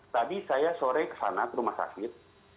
tadi saya sore ke sana ke rumah sakit